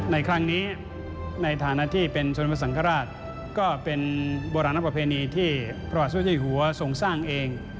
ในครั้งนี้ในฐานะที่เป็นสมเด็จพระสังฆราชก็เป็นโบราณประเพณีที่พระเจ้าอยู่หัวทรงสร้างเอง